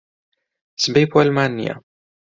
سبەی پۆلمان نییە.